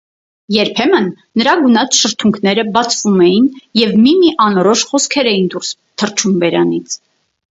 Երբեմն նրա գունատ շրթունքները բացվում էին և մի-մի անորոշ խոսքեր էին դուրս թռչում բերանից: